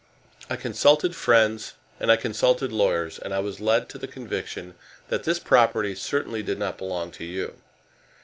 I consulted friends and I consulted lawyers, and I was led to the conviction that this property certainly did not belong to you.